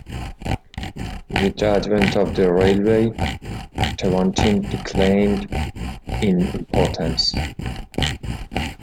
With the advent of the railway, Tewantin declined in importance.